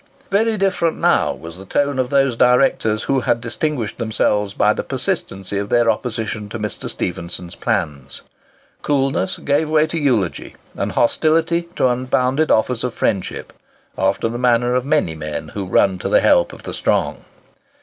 Very different now was the tone of those directors who had distinguished themselves by the persistency of their opposition to Mr. Stephenson's plans. Coolness gave way to eulogy, and hostility to unbounded offers of friendship—after the manner of many men who run to the help of the strong.